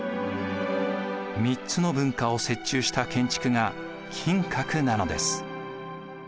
３つの文化を折衷した建築が金閣なのです。